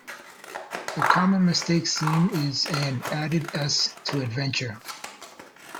A common mistake seen is an added 's' to 'Adventure'.